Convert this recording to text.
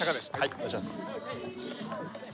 お願いします。